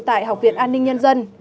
tại học viện an ninh nhân dân